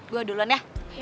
gue duluan ya